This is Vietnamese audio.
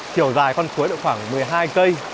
chiều dài con suối là khoảng một mươi hai km